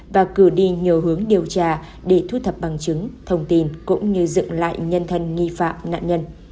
và cử đi nhiều hướng điều tra để thu thập bằng chứng thông tin cũng như dựng lại nhân thân nghi phạm nạn nhân